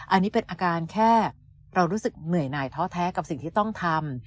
อันนี้เป็นอาการแค่เรารู้สึกเหนื่อยหน่ายท้อแท้กับสิ่งที่ต้องทำ